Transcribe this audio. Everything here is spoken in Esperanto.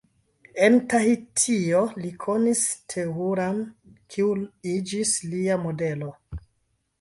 En Tahitio, li konis Tehura-n, kiu iĝis lia modelo.